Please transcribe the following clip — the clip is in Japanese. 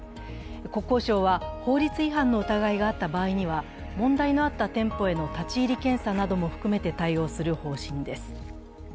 国交省は法律違反の疑いがあった場合には、問題のあった店舗への立ち入り検査なども含めて対応する方針です。